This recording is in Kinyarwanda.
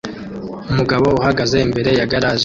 Umugabo uhagaze imbere ya garage